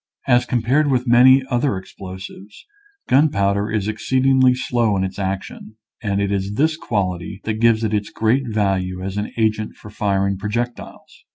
As compared with many other explosives, gunpowder is exceedingly slow in its action, and it is this quality that gives it its great value as an agent for firing projectiles.